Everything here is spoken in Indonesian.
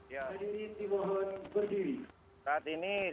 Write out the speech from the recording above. indonesia raya tadi ini timohon berdiri